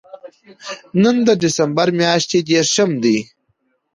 نن د دېسمبر میاشتې درېرشم دی